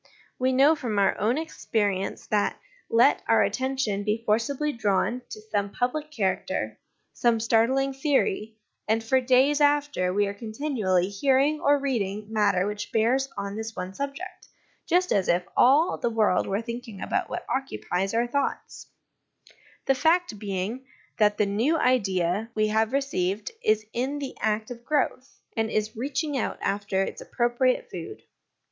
We know from our own experience that, let our attention be forcibly drawn to some public character, some startling theory, and for days after we are continually hearing or reading matter which bears on this one subject, just as if all the world were thinking about what occupies our thoughts : the fact being, that the new idea we have 174 HOME EDUCATION received is in the act of growth, and is reaching out after its appropriate food.